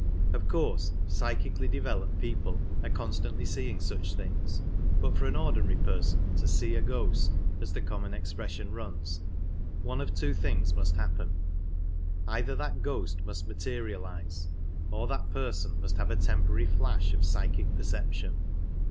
Of course psychically devel oped people are constantly seeing such things, but for an ordinary person to " see a ghost," as the common expression runs, one of two things must happen : either that ghost must materialize, or that person must have a temporary flash of psychic perception.